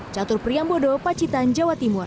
catur priyambodo pacitan jawa timur